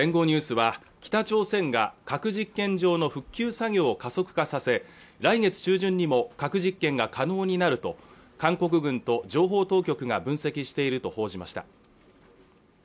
ニュースは北朝鮮が核実験場の復旧作業を加速化させ来月中旬にも核実験が可能になると韓国軍と情報当局が分析していると報じました